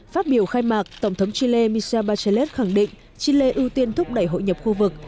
phát biểu khai mạc tổng thống chile micro bachallet khẳng định chile ưu tiên thúc đẩy hội nhập khu vực